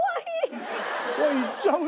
いっちゃうよ？